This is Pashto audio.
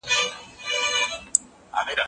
کله چي زه راغلم غونډه خلاصه وه.